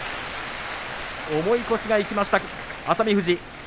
重い腰を生きました、熱海富士。